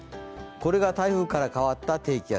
これが台風から変わった低気圧。